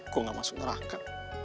gue gak masuk neraka